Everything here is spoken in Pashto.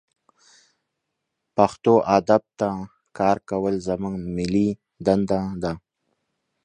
پښتو ادب ته کار کول زمونږ ملي دنده ده